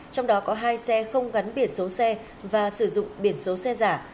trong đó có hai xe không gắn biển số xe và sử dụng biển số xe giả